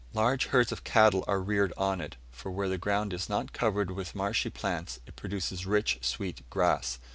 Large herds of cattle are reared on it; for where the ground is not covered with marshy plants it produces rich, sweet grass.